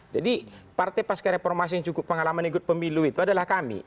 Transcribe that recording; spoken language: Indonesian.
jadi partai pasca reformasi yang cukup pengalaman ikut pemilu itu adalah kami